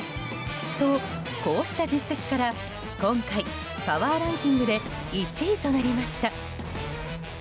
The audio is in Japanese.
と、こうした実績から今回パワーランキングで１位となりました。